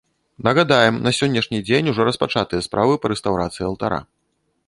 Нагадаем, на сённяшні дзень ужо распачатыя справы па рэстаўрацыі алтара.